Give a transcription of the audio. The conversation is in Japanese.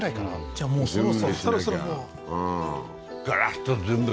じゃあもうそろそろそろそろもう家の周り